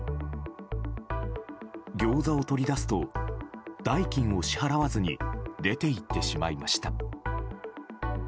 ギョーザをとり出すと代金を支払わずに出て行ってしまいました。